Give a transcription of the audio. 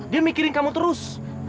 dia mikirin kamu terus